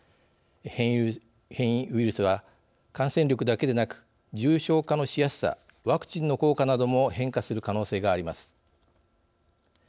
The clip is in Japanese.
変異ウイルスは感染力だけでなく重症化のしやすさワクチンの効果なども変化する可能性があります。